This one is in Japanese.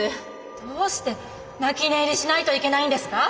どうして泣き寝入りしないといけないんですか！